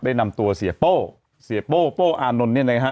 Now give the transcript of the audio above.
ได้นำตัวเสียโป้เสียโป้โป้อานนท์เนี่ยนะฮะ